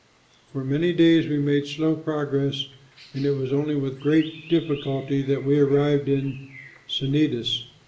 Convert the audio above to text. For many days we made slow progress and it was only with great difficulty that we arrived off Cnidus.